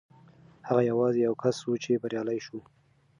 هغه یوازې یو کس و چې بریالی شو.